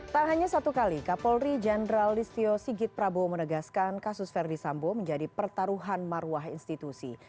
tak hanya satu kali kapolri jenderal listio sigit prabowo menegaskan kasus verdi sambo menjadi pertaruhan marwah institusi